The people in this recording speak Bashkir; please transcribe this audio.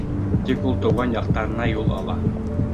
Тик ул тыуған яҡтарына юл ала.